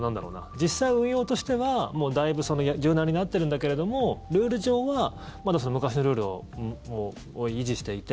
実際、運用としてはだいぶ柔軟になっているんだけどルール上はまだ昔のルールを維持していて。